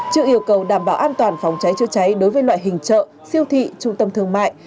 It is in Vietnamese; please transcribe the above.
trước yêu cầu đảm bảo an toàn phòng cháy chữa cháy đối với loại hình chợ siêu thị trung tâm thương mại